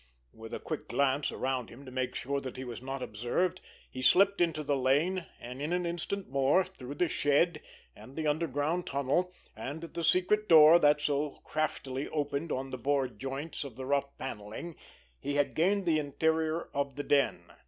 With a quick glance around him to make sure that he was not observed, he slipped into the lane; and in an instant more, through the shed, and the underground tunnel, and the secret door that so craftily opened on the board joints of the rough panelling, he had gained the interior of the den.